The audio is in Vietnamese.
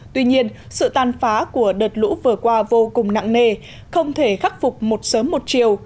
tuy nhiên sự tàn phá của đợt lũ vừa qua vô cùng nặng nề không thể khắc phục một sớm một chiều